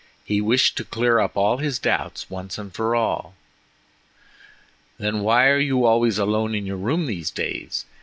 He wished to clear up his doubts once for all. "Then why are you always alone in your room these days?